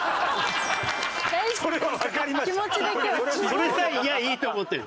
それさえ言やいいと思ってる。